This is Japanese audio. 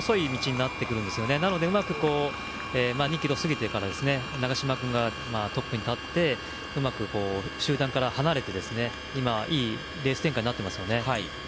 なので２ｋｍ過ぎてから長嶋君がトップに立ってうまく集団から離れて今、いいレース展開になってますよね。